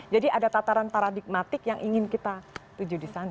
jadi ada tataran paradigmatik yang ingin kita tuju di sana